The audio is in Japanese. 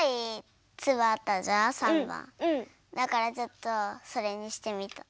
だからちょっとそれにしてみた。